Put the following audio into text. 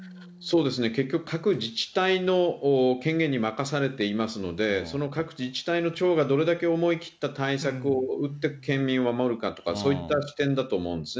結局、各自治体の権限に任されていますので、その各自治体の長が、どれだけ思い切った対策を打って、県民を守るかとか、そういった点だと思うんですね。